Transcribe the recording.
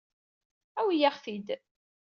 Awi-yaɣ-t-id.